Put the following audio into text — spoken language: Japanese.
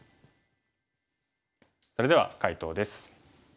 それでは解答です。